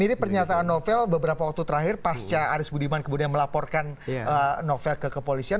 ini pernyataan novel beberapa waktu terakhir pasca aris budiman kemudian melaporkan novel ke kepolisian